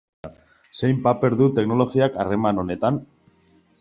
Zein paper du teknologiak harreman honetan?